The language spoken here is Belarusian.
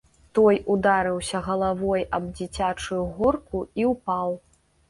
Той ударыўся галавой аб дзіцячую горку і ўпаў.